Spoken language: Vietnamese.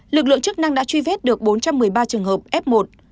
lực lượng chức năng đã truy vết được bốn trăm một mươi ba trường hợp f một